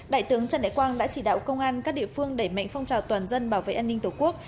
đại tướng trần đại quang đã chỉ đạo công an các địa phương đẩy mạnh phong trào toàn dân bảo vệ an ninh tổ quốc